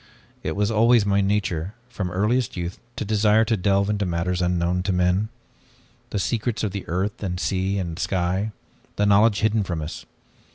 It was always my nature, from earliest youth, to desire to delve into matters unknown to men; the secrets of the earth and sea and sky, the knowledge hidden from us.